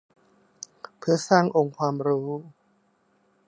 เพื่อสร้างองค์ความรู้